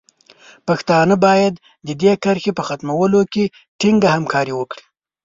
پښتانه باید د دې کرښې په ختمولو کې ټینګه همکاري وکړي.